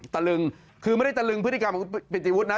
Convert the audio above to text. ตะลึงคือไม่ได้ตะลึงพฤติกรรมของคุณปิติวุฒินะ